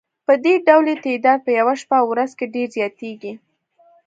پدې ډول یې تعداد په یوه شپه او ورځ کې ډېر زیاتیږي.